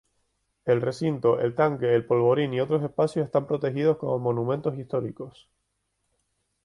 El recinto, el tanque, el polvorín y otros espacios están protegidos como Monumentos Históricos.